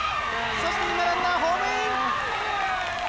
そしてランナー、ホームイン！